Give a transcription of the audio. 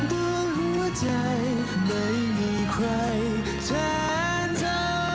ด้วยหัวใจไม่มีใครแทนเธอ